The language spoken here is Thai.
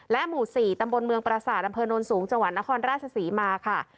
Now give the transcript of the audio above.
หมู่๔ตำบลเมืองประสาทอำเภอโน้นสูงจังหวัดนครราชศรีมาค่ะ